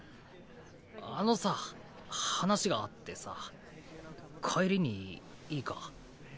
あのさ話があってさ帰りにいいか？